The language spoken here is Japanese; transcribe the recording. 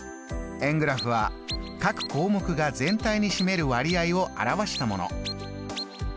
円グラフは各項目が全体に占める割合を表したもの。